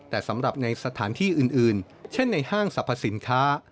แต่สำหรับในสถานที่อื่นเช่นในห้างสรรพสินค้า